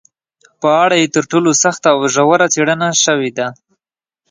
په اړه یې تر ټولو سخته او ژوره څېړنه شوې ده